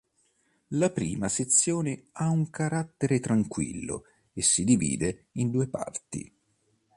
La prima sezione ha un carattere tranquillo e si divide in due parti.